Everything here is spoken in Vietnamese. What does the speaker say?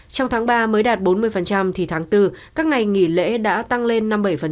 trong tháng ba mới đạt bốn mươi thì tháng bốn các ngày nghỉ lễ đã tăng lên năm mươi bảy